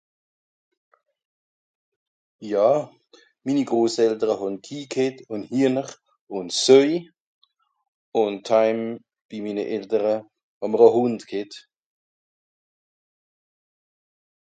jà minni grosseltere hàn kii g'hett ùn hiener ùn seuj ùn taim bi minne eltere hàmmer à hùnd g'hett